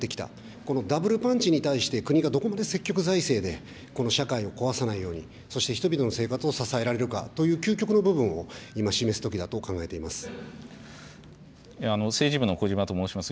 このダブルパンチに対して国がどこまで積極財政でこの社会を壊さないように、そして人々の生活を支えられるかという究極の部分を政治部の小嶋と申します。